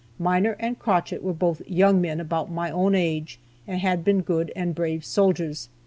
Miner and Crochett were both young men, about my own age, and had been good and brave soldiers.